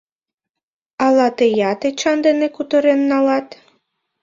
Ала тыят Эчан дене кутырен налат?